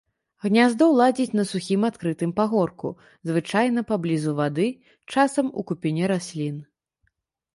Гняздо ладзіць на сухім адкрытым пагорку, звычайна паблізу вады, часам у купіне раслін.